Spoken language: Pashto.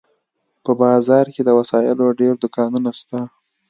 په بازار کښې د وسلو ډېر دوکانونه سته.